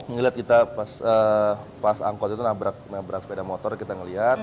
ngeliat kita pas angkot itu nabrak sepeda motor kita ngeliat